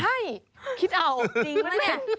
ใช่คิดเอาจริงป่ะเนี่ย